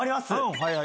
はい。